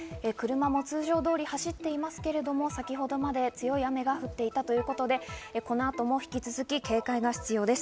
車も通常通り走っていますが先ほどまで強い雨が降っていたということで、この後も引き続き警戒が必要です。